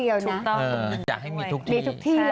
อยากให้มีทุกที่